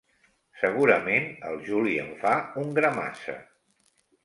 Segurament el Juli en fa un gra massa.